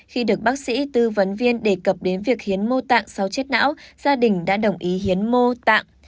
khi được bác sĩ tư vấn viên đề cập đến việc hiến mô tạng sau chết não gia đình đã đồng ý hiến mô tạng